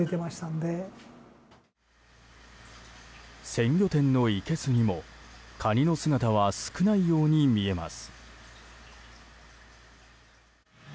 鮮魚店のいけすにもカニの姿は少ないように見えます。